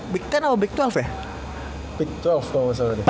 big ten atau big twelve ya